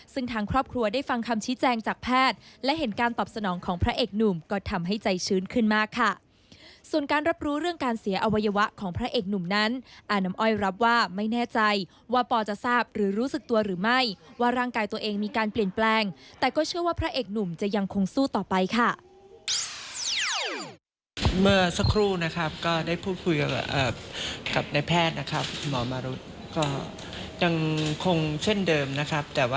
ซึ่งทางครอบครัวได้ฟังคำชี้แจงจากแพทย์และเห็นการตอบสนองของพระเอกหนุ่มก็ทำให้ใจชื้นขึ้นมากค่ะส่วนการรับรู้เรื่องการเสียอวัยวะของพระเอกหนุ่มนั้นอาน้ำอ้อยรับว่าไม่แน่ใจว่าปอจะทราบหรือรู้สึกตัวหรือไม่ว่าร่างกายตัวเองมีการเปลี่ยนแปลงแต่ก็เชื่อว่าพระเอกหนุ่มจะยังคงสู้ต่อไปค่ะ